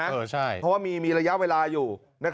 เพราะว่ามีระยะเวลาอยู่